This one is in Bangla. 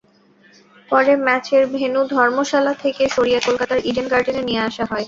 পরে ম্যাচের ভেন্যু ধর্মশালা থেকে সরিয়ে কলকাতার ইডেন গার্ডেনে নিয়ে আসা হয়।